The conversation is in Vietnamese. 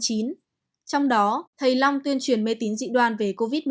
trong đó thầy long tuyên truyền mê tín dị đoan về covid một mươi chín